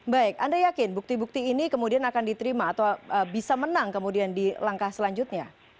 baik anda yakin bukti bukti ini kemudian akan diterima atau bisa menang kemudian di langkah selanjutnya